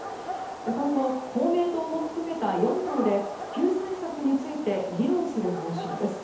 今後、公明党も含めた４党で救済策について議論する方針です。